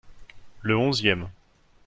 Le onzième.